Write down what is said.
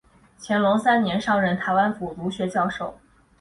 乾隆三年上任台湾府儒学教授。